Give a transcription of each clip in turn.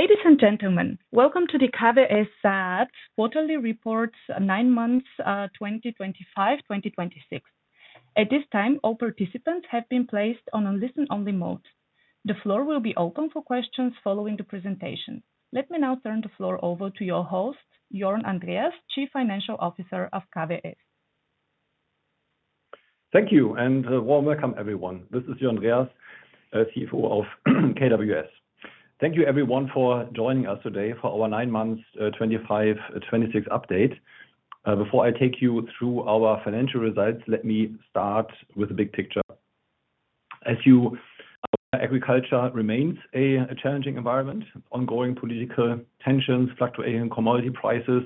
Ladies and gentlemen, welcome to the KWS SAAT quarterly report, nine months, 2025/2026. Let me now turn the floor over to your host, Jörn Andreas, Chief Financial Officer of KWS. Thank you, and warm welcome everyone. This is Jörn Andreas, CFO of KWS. Thank you everyone for joining us today for our nine months, 2025-2026 update. Before I take you through our financial results, let me start with the big picture. Agriculture remains a challenging environment: ongoing political tensions, fluctuating commodity prices,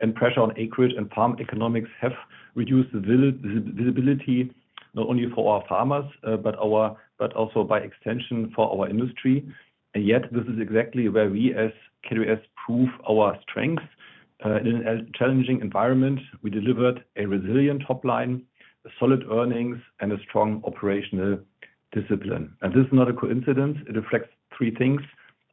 and pressure on acreage and farm economics have reduced visibility not only for our farmers, but also by extension for our industry and yet, this is exactly where we as KWS prove our strength. In a challenging environment, we delivered a resilient top line, solid earnings, and a strong operational discipline. This is not a coincidence, it reflects three things: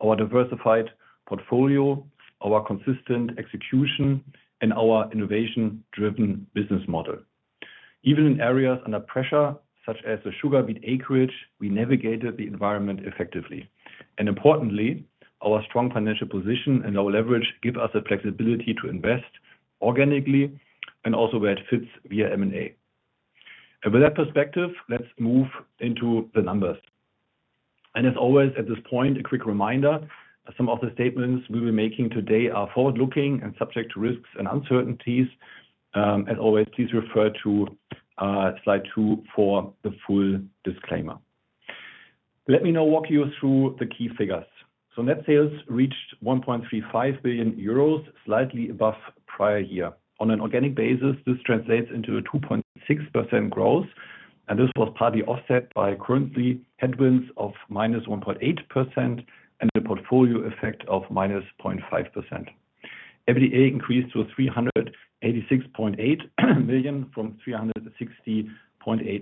our diversified portfolio, our consistent execution, and our innovation-driven business model. Even in areas under pressure, such as the Sugarbeet acreage, we navigated the environment effectively. Importantly, our strong financial position and our leverage give us the flexibility to invest organically and also where it fits via M&A. With that perspective, let's move into the numbers. As always, at this point, a quick reminder, some of the statements we'll be making today are forward-looking and subject to risks and uncertainties. As always, please refer to slide two for the full disclaimer. Let me now walk you through the key figures. Net sales reached 1.35 billion euros, slightly above prior year. On an organic basis, this translates into a 2.6% growth, this was partly offset by currency headwinds of -1.8% and a portfolio effect of -0.5%. EBITDA increased to 386.8 million from 360.8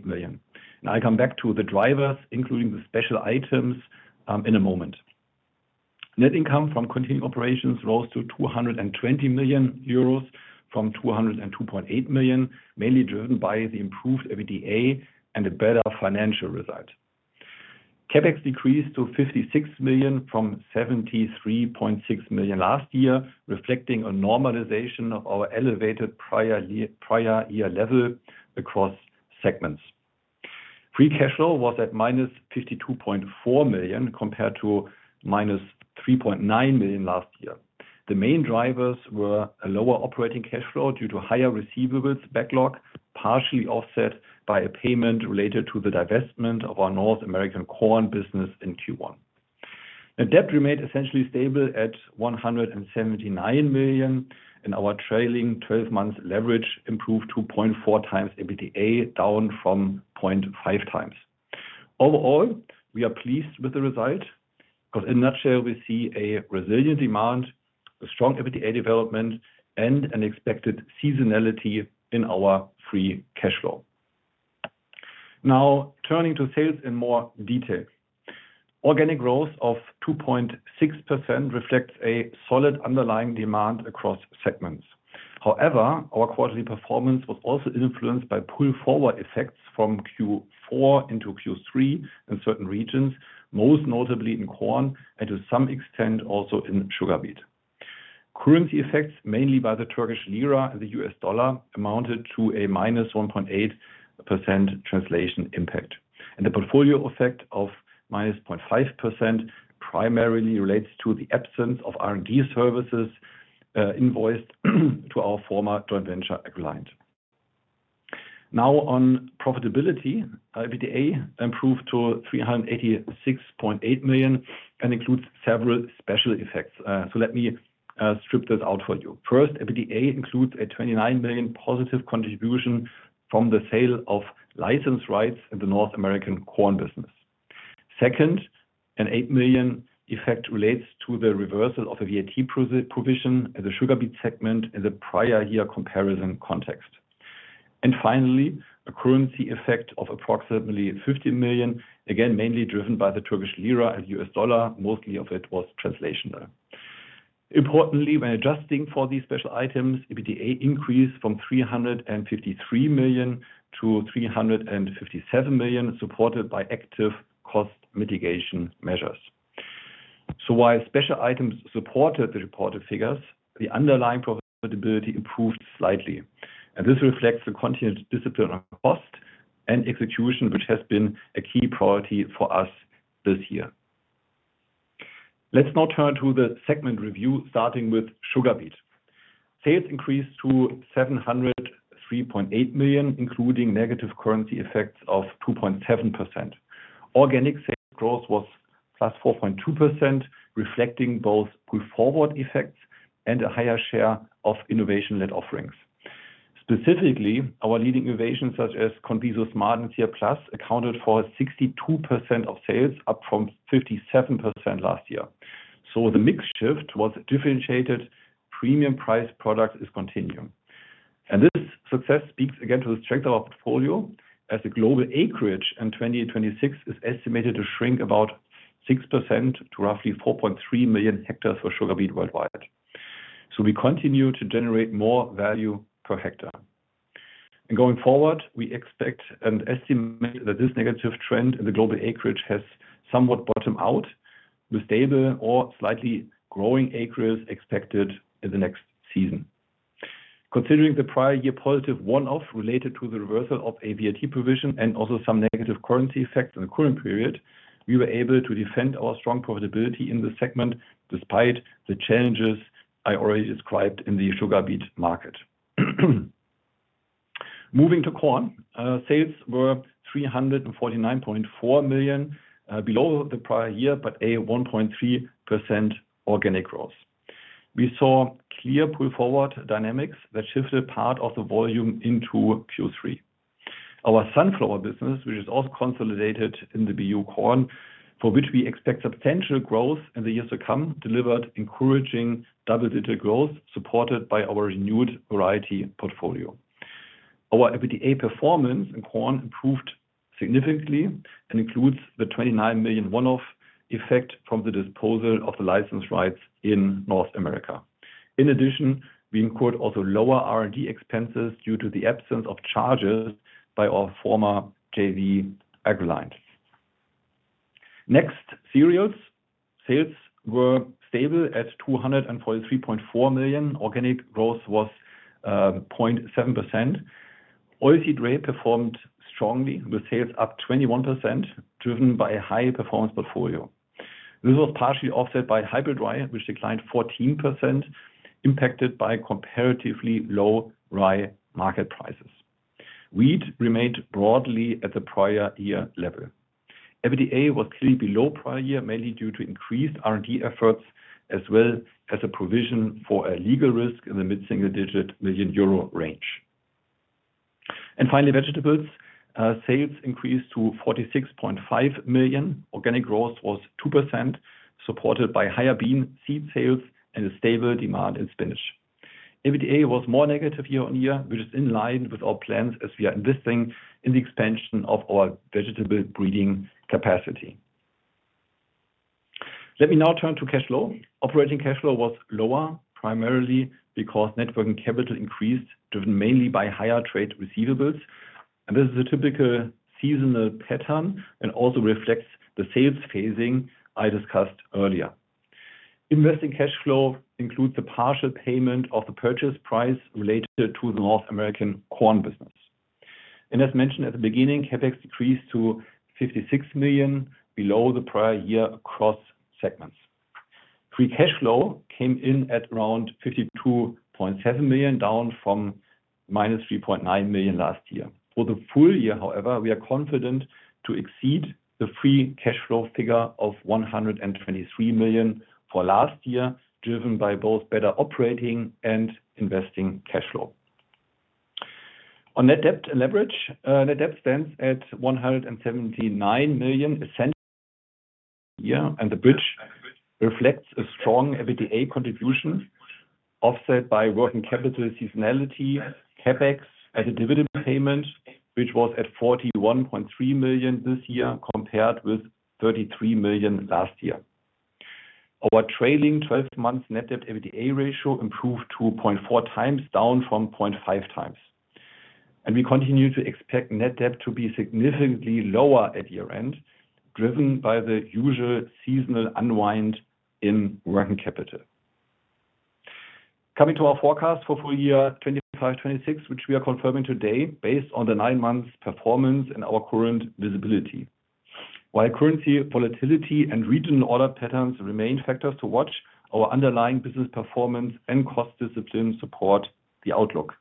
million. I come back to the drivers, including the special items, in a moment. Net income from continuing operations rose to 220 million euros from 202.8 million, mainly driven by the improved EBITDA and a better financial result. CapEx decreased to 56 million from 73.6 million last year, reflecting a normalization of our elevated prior year level across segments. Free cash flow was at -52.4 million compared to -3.9 million last year. The main drivers were a lower operating cash flow due to higher receivables backlog, partially offset by a payment related to the divestment of our North American Corn business in Q1. Net debt remained essentially stable at 179 million. Our trailing one-month leverage improved to 0.4x EBITDA, down from 0.5x. Overall, we are pleased with the result because in a nutshell, we see a resilient demand, a strong EBITDA development, and an expected seasonality in our free cash flow. Now turning to sales in more detail. Organic growth of 2.6% reflects a solid underlying demand across segments. Our quarterly performance was also influenced by pull-forward effects from Q4 into Q3 in certain regions, most notably in Corn, and to some extent also in Sugarbeet. Currency effects, mainly by the Turkish lira and the US dollar, amounted to a -1.8% translation impact. The portfolio effect of -0.5% primarily relates to the absence of R&D services invoiced to our former joint venture AgReliant. Now on profitability. EBITDA improved to 386.8 million and includes several special effects. Let me strip this out for you. First, EBITDA includes a 29 million positive contribution from the sale of license rights in the North American Corn business. Second, a 8 million effect relates to the reversal of a VAT provision at the Sugarbeet segment in the prior year comparison context. Finally, a currency effect of approximately 50 million, again, mainly driven by the Turkish lira and U.S. dollar. Mostly of it was translational. Importantly, when adjusting for these special items, EBITDA increased from 353 million to 357 million, supported by active cost mitigation measures. While special items supported the reported figures, the underlying profitability improved slightly and this reflects the continued discipline on cost and execution, which has been a key priority for us this year. Let's now turn to the segment review, starting with Sugarbeet. Sales increased to 703.8 million, including negative currency effects of 2.7%. Organic sales growth was +4.2%, reflecting both pull-forward effects and a higher share of innovation-led offerings. Specifically, our leading innovations such as CONVISO SMART and CR+ accounted for 62% of sales, up from 57% last year so the mix shift was differentiated premium priced products is continuing. This success speaks again to the strength of our portfolio as the global acreage in 2026 is estimated to shrink about 6% to roughly 4.3 million hectares for Sugarbeet worldwide. We continue to generate more value per hectare. Going forward, we expect and estimate that this negative trend in the global acreage has somewhat bottomed out with stable or slightly growing acreage expected in the next season. Considering the prior year positive one-off related to the reversal of a VAT provision and also some negative currency effect in the current period, we were able to defend our strong profitability in this segment despite the challenges I already described in the Sugarbeet market. Moving to Corn, sales were 349.4 million below the prior year, but a 1.3% organic growth. We saw clear pull-forward dynamics that shifted part of the volume into Q3. Our sunflower business, which is also consolidated in the BU Corn, for which we expect substantial growth in the years to come, delivered encouraging double-digit growth supported by our renewed variety portfolio. Our EBITDA performance in Corn improved significantly and includes the 29 million one-off effect from the disposal of the license rights in North America. In addition, we incurred also lower R&D expenses due to the absence of charges by our former JV AgReliant. Next, Cereals. Sales were stable at 243.4 million. Organic growth was 0.7%. Oilseed rape performed strongly, with sales up 21%, driven by a high-performance portfolio. This was partially offset by hybrid rye, which declined 14%, impacted by comparatively low rye market prices. Wheat remained broadly at the prior year level. EBITDA was clearly below prior year, mainly due to increased R&D efforts, as well as a provision for a legal risk in the mid-single-digit million euro range. Finally, vegetables. Sales increased to 46.5 million. Organic growth was 2%, supported by higher bean seed sales and a stable demand in spinach. EBITDA was more negative year-on-year, which is in line with our plans as we are investing in the expansion of our vegetable breeding capacity. Let me now turn to cash flow. Operating cash flow was lower, primarily because net working capital increased, driven mainly by higher trade receivables and this is a typical seasonal pattern and also reflects the sales phasing I discussed earlier. Investing cash flow includes the partial payment of the purchase price related to the North American Corn business. As mentioned at the beginning, CapEx decreased to 56 million below the prior year across segments. Free cash flow came in at around 52.7 million, down from -3.9 million last year. For the full year, however, we are confident to exceed the free cash flow figure of 123 million for last year, driven by both better operating and investing cash flow. On net debt leverage, net debt stands at 179 million. The bridge reflects a strong EBITDA contribution offset by working capital seasonality, CapEx, and the dividend payment, which was at 41.3 million this year, compared with 33 million last year. Our trailing 12 months net debt EBITDA ratio improved to 0.4x, down from 0.5x. We continue to expect net debt to be significantly lower at year-end, driven by the usual seasonal unwind in working capital. Coming to our forecast for full year 2025, 2026, which we are confirming today based on the nine months performance and our current visibility. While currency volatility and regional order patterns remain factors to watch, our underlying business performance and cost discipline support the outlook.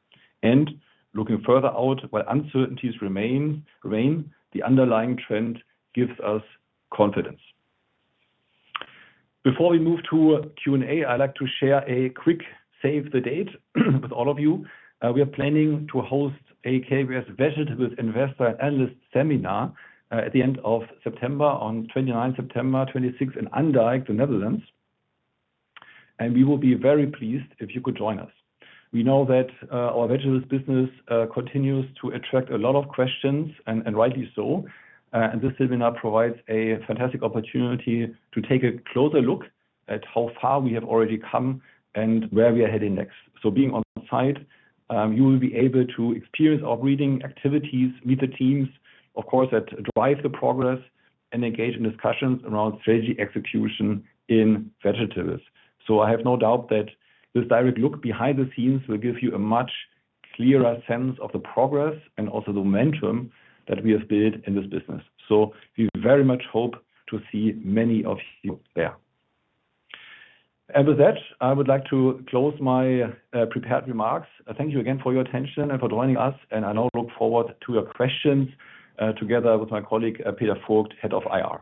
Looking further out, while uncertainties remain, the underlying trend gives us confidence. Before we move to Q&A, I'd like to share a quick save the date with all of you. We are planning to host a KWS Vegetables Investor and Analyst Seminar at the end of September, on September 29, 2026 in Andijk, the Netherlands and we will be very pleased if you could join us. We know that our vegetables business continues to attract a lot of questions, and rightly so. This seminar provides a fantastic opportunity to take a closer look at how far we have already come and where we are heading next. Being on site, you will be able to experience our breeding activities, meet the teams, of course, that drive the progress, and engage in discussions around strategy execution in vegetables. I have no doubt that this direct look behind the scenes will give you a much clearer sense of the progress and also the momentum that we have built in this business. We very much hope to see many of you there. With that, I would like to close my prepared remarks. Thank you again for your attention and for joining us, and I now look forward to your questions, together with my colleague, Peter Vogt, Head of IR.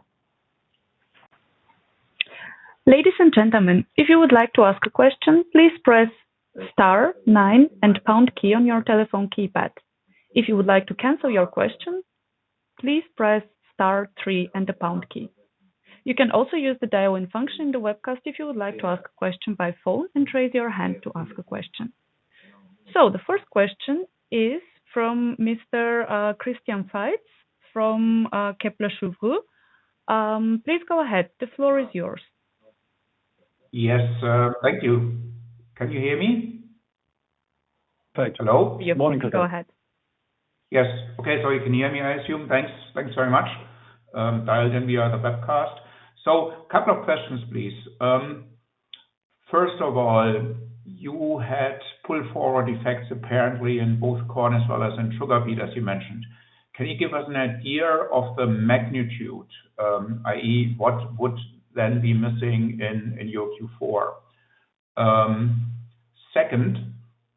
Ladies and gentlemen, if you would like to ask a question, please press star nine and pound key on your telephone keypad. If you would like to cancel your question please press star three and the pound key. You can also use the dial-in function to webcast if you would like to ask your question by phone then raise your hand to ask a question. The first question is from Mr. Christian Faitz from Kepler Cheuvreux. Please go ahead. The floor is yours. Yes, thank you. Can you hear me? Perfect. Hello? Yep. Morning, Christian. Go ahead. Yes. Okay. You can hear me, I assume. Thanks. Thank you very much. Dialed in via the webcast. Couple of questions, please. First of all, you had pull forward effects apparently in both Corn as well as in Sugarbeet, as you mentioned. Can you give us an idea of the magnitude, i.e. what would then be missing in your Q4? Second,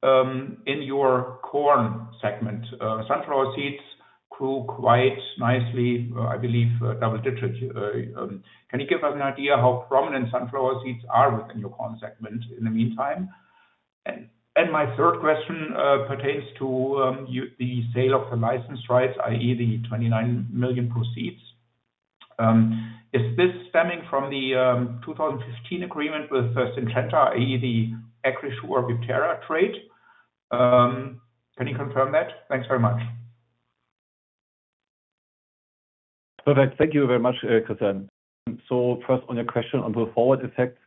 in your Corn segment, sunflower seeds grew quite nicely, I believe double-digit. Can you give us an idea how prominent sunflower seeds are within your Corn segment in the meantime? My third question pertains to the sale of the license rights, i.e. the 29 million proceeds. Is this stemming from the 2015 agreement with Syngenta, i.e. the Agrisure Viptera trait? Can you confirm that? Thanks very much. Perfect. Thank you very much, Christian. First on your question on pull forward effects.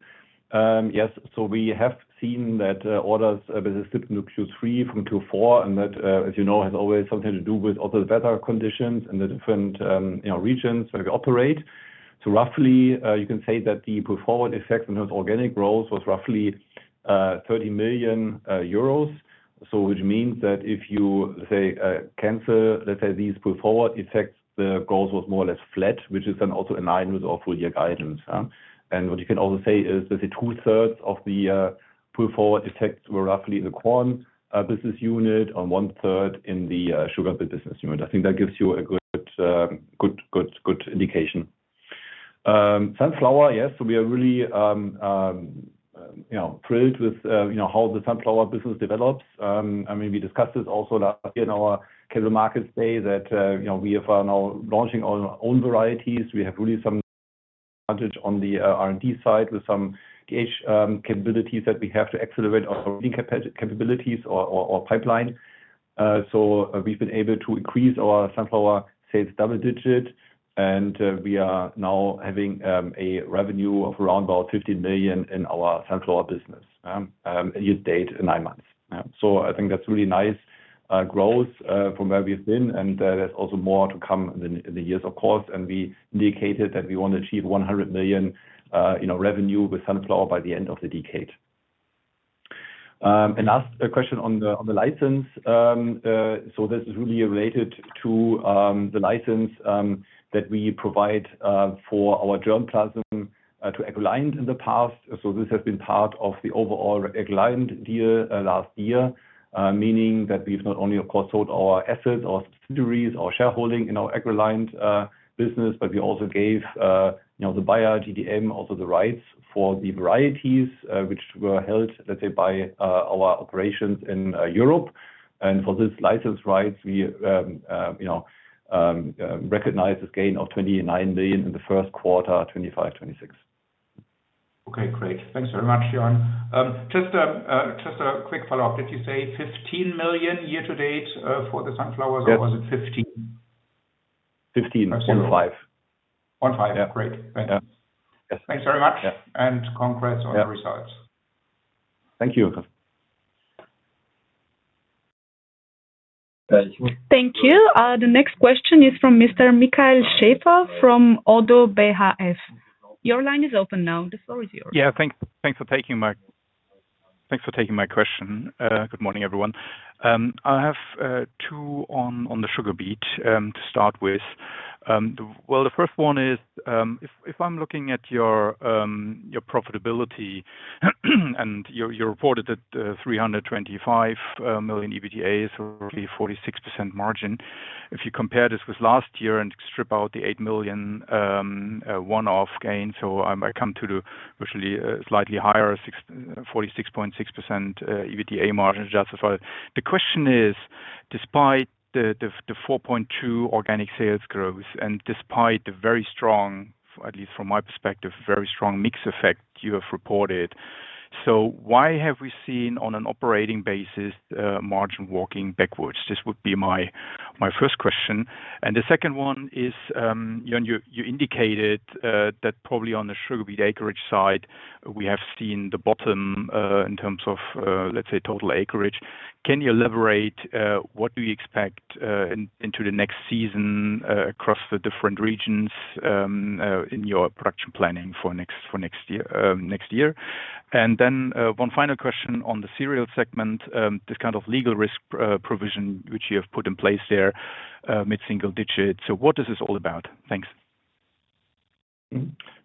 Yes. We have seen that orders business slipped into Q3 from Q4, and that, as you know, has always something to do with also the weather conditions in the different, you know, regions where we operate. Roughly, you can say that the pull forward effect in those organic growth was roughly 30 million euros. Which means that if you, let's say, cancel, let's say, these pull forward effects, the growth was more or less flat, which is then also in line with our full year guidance. What you can also say is, let's say 2/3 of the pull forward effects were roughly in the Corn business unit and 1/3 in the Sugarbeet business unit. I think that gives you a good indication. Sunflower. Yes. We are really, you know, thrilled with, you know, how the sunflower business develops. I mean, we discussed this also last year in our capital markets day that, you know, we are now launching our own varieties. We have really some advantage on the R&D side with some gauge capabilities that we have to accelerate our capabilities or pipeline. So we've been able to increase our sunflower sales double digit, and we are now having a revenue of around about 50 million in our sunflower business year to date in nine months so I think that's really nice growth from where we've been and there's also more to come in the years, of course, and we indicated that we want to achieve 100 million, you know, revenue with sunflower by the end of the decade. Last, a question on the license. This is really related to the license that we provide for our germplasm to AgReliant in the past. This has been part of the overall AgReliant deal last year, meaning that we've not only, of course, sold our assets, our subsidiaries, our shareholding in our AgReliant business, but we also gave, you know, the buyer, GDM, also the rights for the varieties which were held, let's say, by our operations in Europe. For this license rights, we, you know, recognize this gain of 29 million in the first quarter, 2025, 2026. Okay, great. Thanks very much, Jörn. Just a quick follow-up. Did you say 15 million year-to-date for the sunflower? Yes. Was it 15 million? 15 million or- 1Yeah. Great. Thank you. Yes. Thanks very much. Yeah. Congrats on the results. Thank you. Thank you. The next question is from Mr. Michael Schäfer from ODDO BHF. Your line is open now. The floor is yours. Thanks for taking my question. Good morning, everyone. I have two on the Sugarbeet to start with. Well, the first one is, if I'm looking at your profitability and you reported that 325 million EBITDA, so roughly 46% margin. If you compare this with last year and strip out the 8 million one-off gain. I come to the virtually slightly higher 46.6% EBITDA margin just before. The question is, despite the 4.2% organic sales growth and despite the very strong, at least from my perspective, very strong mix effect you have reported, why have we seen on an operating basis margin walking backwards? This would be my first question. The second one is, Jörn, you indicated that probably on the Sugarbeet acreage side, we have seen the bottom in terms of, let's say, total acreage. Can you elaborate what do you expect into the next season across the different regions in your production planning for next year, then one final question on the Cereal segment. This kind of legal risk provision which you have put in place there, mid-single digits. What is this all about? Thanks.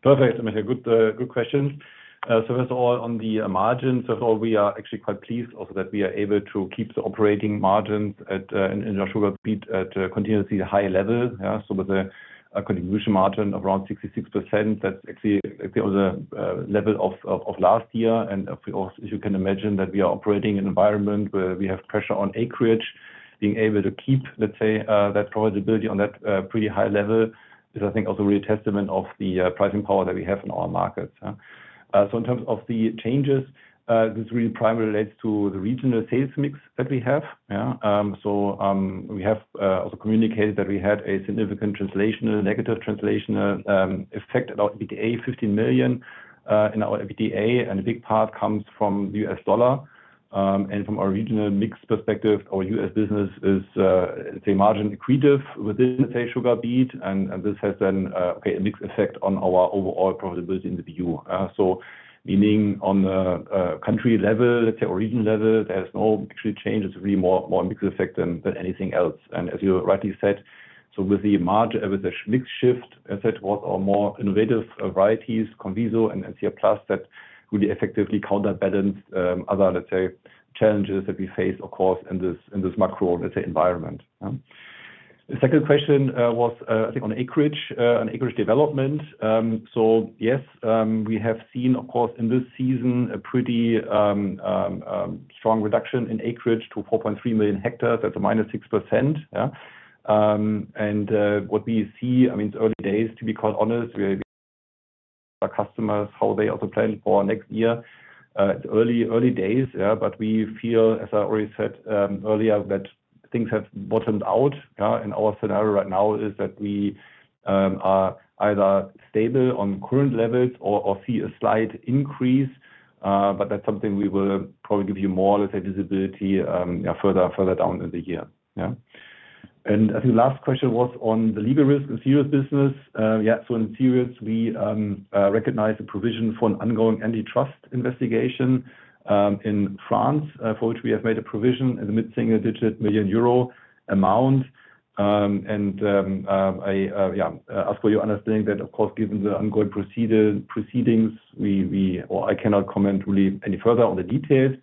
Perfect. Michael, good questions. First of all, on the margins, we are actually quite pleased of that we are able to keep the operating margins in our Sugarbeet at continuously high level. Yeah. With a contribution margin of around 66%, that's actually on the level of last year. As you can imagine, that we are operating in an environment where we have pressure on acreage. Being able to keep, let's say, that profitability on that pretty high level is, I think, also a real testament of the pricing power that we have in our markets, yeah. In terms of the changes, this really primarily relates to the regional sales mix that we have, yeah. We have also communicated that we had a significant translational, negative translational effect about 15 million in our EBITDA, and a big part comes from the U.S. dollar. From our regional mix perspective, our U.S. business is, let's say, margin accretive within, let's say, Sugarbeet, and this has then, okay, a mixed effect on our overall profitability in the BU. Meaning on the country level, let's say, or region level, there's no actually change. It's really more a mixed effect than anything else. As you rightly said, with the mix shift, as I said, was our more innovative varieties, CONVISO SMART and CR+, that really effectively counterbalanced other, let's say, challenges that we face, of course, in this, in this macro, let's say, environment, yeah. The second question was, I think on acreage, on acreage development. Yes, we have seen, of course, in this season a pretty strong reduction in acreage to 4.3 million hectares. That's a -6%, yeah. What we have seen, I mean, it's early days to be quite honest. Our customers, how they also plan for next year. It's early days, yeah, we feel, as I already said, earlier, that bottomed out, yeah. Our scenario right now is that we are either stable on current levels or see a slight increase, that's something we will probably give you more, let's say, visibility, yeah, further down in the year. Yeah. I think last question was on the legal risk in Cereals business. Yeah, in Cereals we recognize the provision for an ongoing antitrust investigation in France, for which we have made a provision in the mid-single digit million euro amount. I ask for your understanding that, of course, given the ongoing proceedings, we or I cannot comment really any further on the details.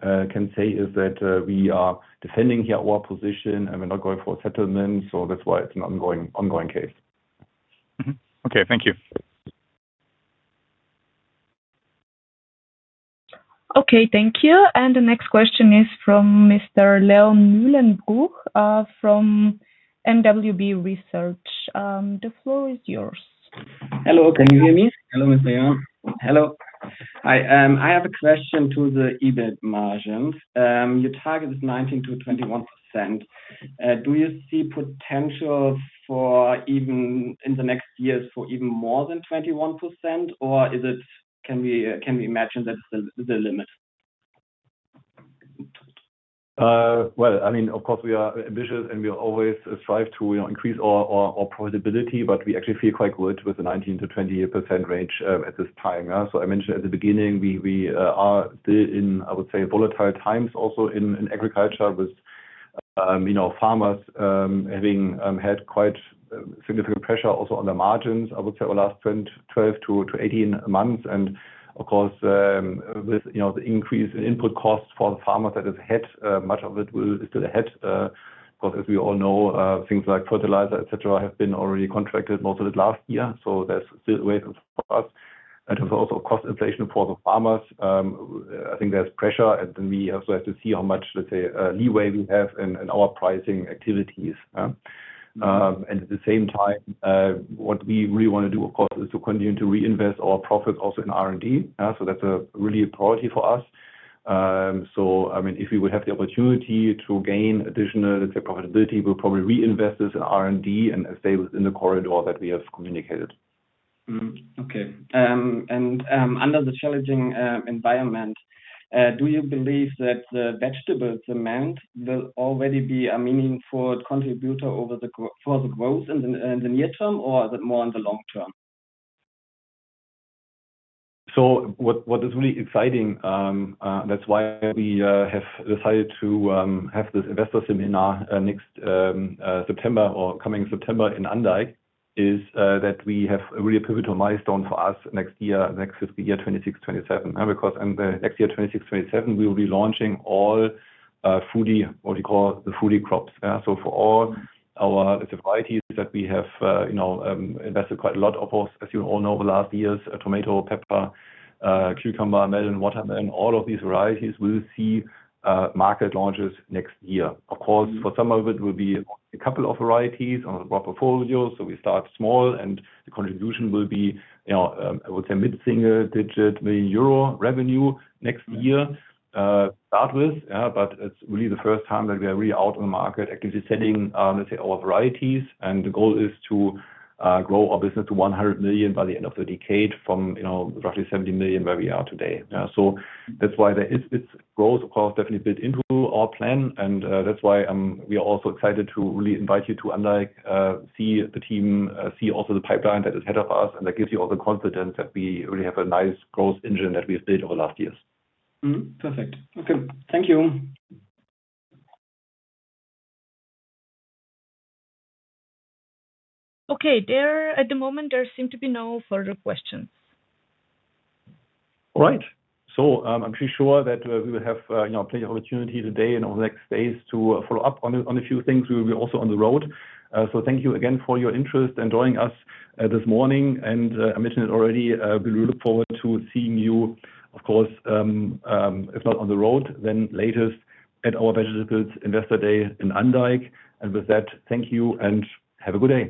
What we can say is that we are defending here our position, and we are not going for a settlement, so that is why it is an ongoing case. Okay. Thank you. Okay. Thank you. The next question is from Mr. Leon Mühlenbruch, from mwb research. The floor is yours. Hello, can you hear me? Hello, Mr. Leon. Hello. I have a question to the EBIT margins. Your target is 19%-21%. Do you see potential for even in the next years for even more than 21%, or is it Can we imagine that it's the limit? Well, I mean, of course, we are ambitious, and we always strive to, you know, increase our profitability, but we actually feel quite good with the 19%-20% range at this time, yeah. I mentioned at the beginning, we are still in, I would say, volatile times also in agriculture with, you know, farmers having had quite significant pressure also on the margins, I would say over last 12-18 months. Of course, with, you know, the increase in input costs for the farmers that is ahead, much of it is still ahead. Of course, as we all know, things like fertilizer, etc., have been already contracted most of it last year. There's still a way for us. In terms of also cost inflation for the farmers, I think there's pressure, we also have to see how much, let's say, leeway we have in our pricing activities. At the same time, what we really wanna do, of course, is to continue to reinvest our profits also in R&D, so that's a really a priority for us. I mean, if we would have the opportunity to gain additional, let's say, profitability, we'll probably reinvest this in R&D and stay within the corridor that we have communicated. Okay. Under the challenging environment, do you believe that the vegetables demand will already be a meaningful contributor for the growth in the near term, or is it more in the long term? What is really exciting, that's why we have decided to have this investor seminar next September or coming September in Andijk, is that we have a really pivotal milestone for us next year, next fiscal year 2026, 2027. Because in the next year 2026, 2027, we will be launching all foodie what you call the foodie crops. For all our, the varieties that we have, you know, invested quite a lot, of course, as you all know, over the last years, tomato, pepper, cucumber, melon, watermelon, all of these varieties will see market launches next year. Of course, for some of it will be a couple of varieties on the broad portfolio. We start small, and the contribution will be, you know, I would say mid-single digit million euro revenue next year to start with, yeah. It's really the first time that we are really out in the market actively selling, let's say, our varieties. The goal is to grow our business to 100 million by the end of the decade from, you know, roughly 70 million where we are today. That's why there is this growth, of course, definitely built into our plan, that's why we are also excited to really invite you to Andijk, see the team, see also the pipeline that is ahead of us, and that gives you all the confidence that we really have a nice growth engine that we have built over the last years. Perfect. Okay. Thank you. Okay. At the moment there seem to be no further questions. All right. I'm pretty sure that we will have, you know, plenty of opportunity today and over the next days to follow up on a few things. We will be also on the road. Thank you again for your interest in joining us this morning. I mentioned it already, we look forward to seeing you, of course, if not on the road, then latest at our Vegetables Investor Day in Andijk. With that, thank you, and have a good day.